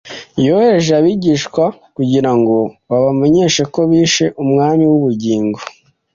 Yohereje abigishwa kugira ngo babamenyeshe ko bishe Umwami w’ubugingo